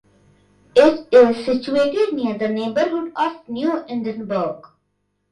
It is situated near the neighbourhood of New Edinburgh.